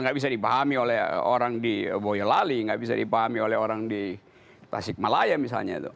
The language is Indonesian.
nggak bisa dipahami oleh orang di boyolali nggak bisa dipahami oleh orang di tasikmalaya misalnya